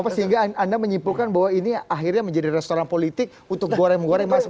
sehingga anda menyimpulkan bahwa ini akhirnya menjadi restoran politik untuk goreng goreng masuk